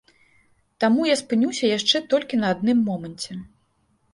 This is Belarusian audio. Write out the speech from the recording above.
Таму я спынюся яшчэ толькі на адным моманце.